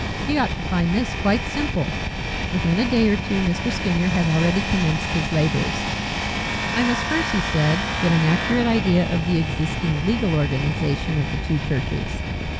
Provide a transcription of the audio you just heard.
He ought to find this quite simple." Within a day or two Mr. Skinyer had already commenced his labours. "I must first," he said, "get an accurate idea of the existing legal organization of the two churches."